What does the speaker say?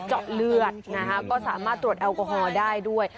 เจาะเลือดนะคะก็สามารถตรวจแอลกอฮอล์ได้ด้วย